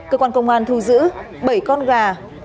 cơ quan công an thu giữ bảy con gà